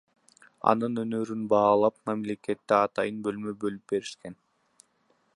Анын өнөрүн баалап мекемеде атайын бөлмө бөлүп беришкен.